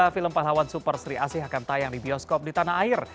film pahlawan super sri asih akan tayang di bioskop di tanah air